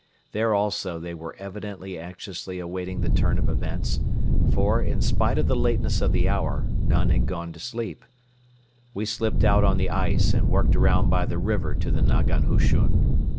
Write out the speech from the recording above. There also they were evidently anxiously awaiting the turn of events, for, in spite of the lateness of the hour, none had gone to sleep. We slipped out on the ice and worked around by the river to the nagan hushun.